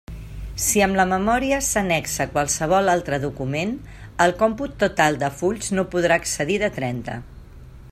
Si amb la memòria s'annexa qualsevol altre document, el còmput total de fulls no podrà excedir de trenta.